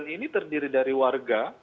lima puluh sembilan ini terdiri dari warga